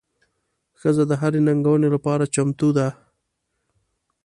ښځه د هرې ننګونې لپاره چمتو ده.